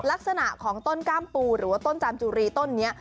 ลักษณะของต้นกล้ามปูหรือว่าต้นจามจุรีต้นนี้